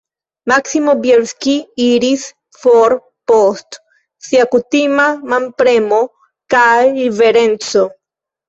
Maksimo Bjelski iris for post sia kutima manpremo kaj riverenco.